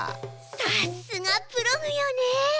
さすがプログよね。